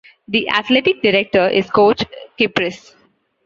The athletic director is Coach Kypriss.